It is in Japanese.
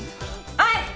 はい！